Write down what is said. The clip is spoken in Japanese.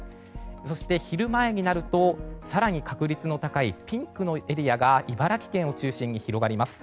昼前になると、更に確率の高いピンクのエリアが茨城県を中心に広がります。